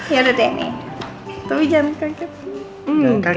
ya udah deh nih tapi jangan kaget nih